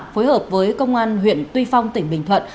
phối hợp với công an huyện tuy phong tỉnh bình thuận